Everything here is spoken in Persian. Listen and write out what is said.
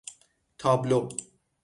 تابلو